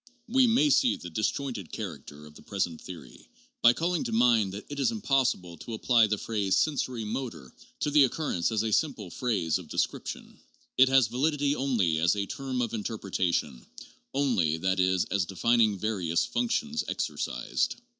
We may see the disjointed character of the present theory, by calling to mind that it is impossible to apply the phrase • sensori motor ' to the occurrence as a simple phrase of descrip tion ; it has validity only as a term of interpretation, only, that is, as denning various functions exercised.